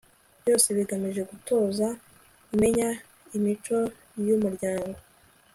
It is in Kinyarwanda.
byose bigamije gutoza, kumenya imico y'umuryango